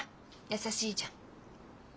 優しいじゃん。